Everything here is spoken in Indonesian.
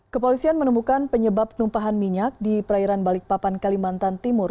kepolisian menemukan penyebab tumpahan minyak di perairan balikpapan kalimantan timur